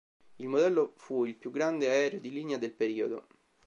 Il modello fu il più grande aereo di linea del periodo.